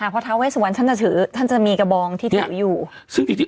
พอทาเวสวันท่านจะถือท่านจะมีกระบองที่ถืออยู่